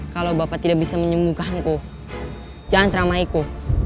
kalau bapak tidak bisa menyembuhkanku jangan teramaiku